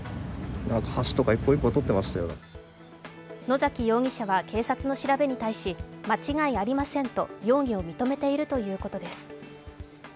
野崎容疑者は警察の調べに対し間違いありませんと、容疑を認めているということです。